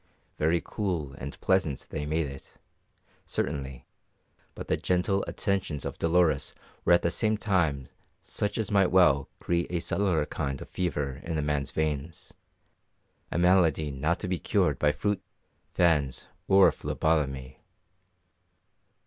Very cool and pleasant they made it, certainly, but the gentle attentions of Dolores were at the same time such as might well create a subtler kind of fever in a man's veins a malady not to be cured by fruit, fans, or phlebotomy.